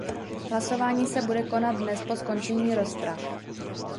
Hlasování se bude konat dnes po skončení rozprav.